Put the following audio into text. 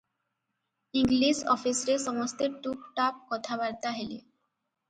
English ଅଫିସରେ ସମସ୍ତେ ଟୁପ୍ଟାପ୍ କଥାବାର୍ତ୍ତା ହେଲେ ।